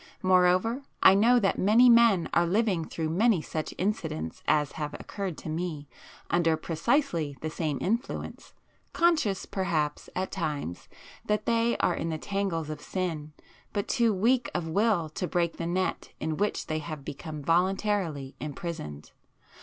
Moreover I know that many men are living through many such incidents as have occurred to me, under precisely the same influence, conscious perhaps at times, that they are in the tangles of sin, but too weak of will to break the net in which they have become voluntarily imprisoned.